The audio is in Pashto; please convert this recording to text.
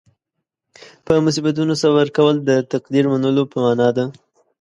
په مصیبتونو صبر کول د تقدیر منلو په معنې ده.